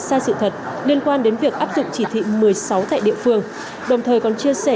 sai sự thật liên quan đến việc áp dụng chỉ thị một mươi sáu tại địa phương đồng thời còn chia sẻ